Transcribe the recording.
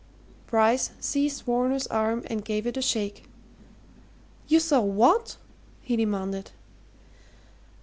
Bryce seized Varner's arm and gave it a shake. "You saw what?" he demanded.